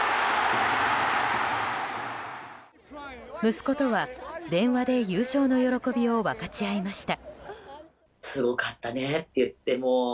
息子とは電話で優勝の喜びを分かち合いました。